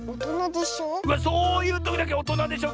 うわそういうときだけ「おとなでしょ？」